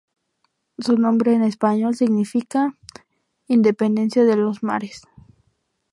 Su nombre en español significa "Independencia de los mares".